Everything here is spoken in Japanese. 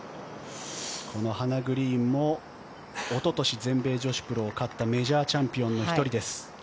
このハナ・グリーンもおととし全米女子プロを勝ったメジャーチャンピオンの１人です。